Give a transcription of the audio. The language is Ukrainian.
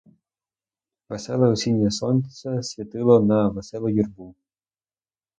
Веселе осіннє сонце світило на веселу юрбу.